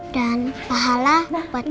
dan pahala buat kita kan ma